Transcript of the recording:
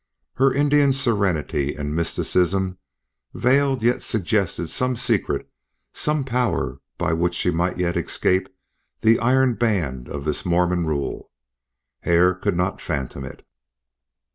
Her Indian serenity and mysticism veiled yet suggested some secret, some power by which she might yet escape the iron band of this Mormon rule. Hare could not fathom it.